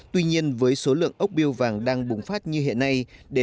tuy nhiên với số lượng ốc biêu vàng đang bùng phát như hiện nay